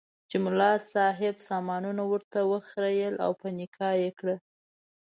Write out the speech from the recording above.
چې ملا صاحب سامانونه ورته وخریېل او په نکاح یې کړه.